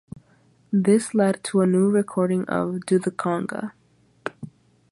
This led to a new recording of "Do The Conga".